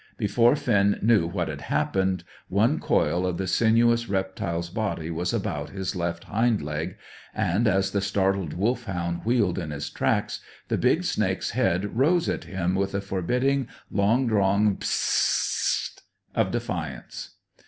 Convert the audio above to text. Before Finn knew what had happened, one coil of the sinuous reptile's body was about his left hind leg, and, as the startled Wolfhound wheeled in his tracks, the big snake's head rose at him with a forbidding, long drawn "Ps s s s t!" of defiance.